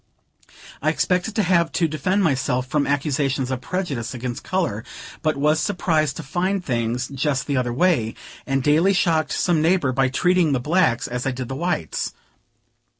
I expected to have to defend myself from accusations of prejudice against color; but was surprised to find things just the other way, and daily shocked some neighbor by treating the blacks as I did the whites.